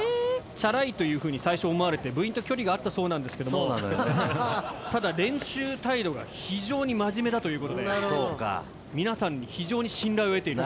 チャラいというふうに最初思われて部員と距離があったそうなんですけどもただ練習態度が非常に真面目だという事で皆さんに非常に信頼を得ている。